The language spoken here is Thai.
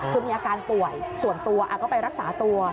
คือมีอาการป่วยส่วนตัวก็ไปรักษาตัว